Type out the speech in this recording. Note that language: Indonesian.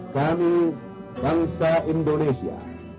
kami bangsa indonesia